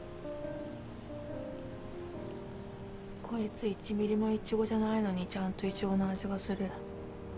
こいつ１ｍｍもイチゴじゃないのにちゃんとイチゴの味がする。